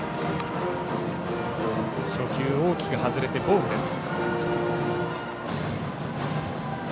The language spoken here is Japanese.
初球、大きく外れてボールです。